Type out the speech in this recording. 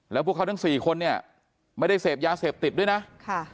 แล้วพวกเขาทั้งสี่คนเนี่ยไม่ได้เสพยาเสพติดด้วยนะค่ะ